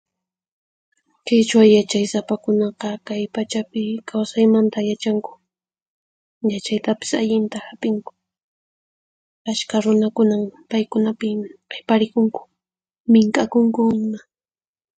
Qhichwa yachaysapakunaqa kay pachapi kawsaymanta yachanku, yachaytapis allinta hap'inku. Ashkha runakunan paykunapi qhiparikunku, mink'akunku ima.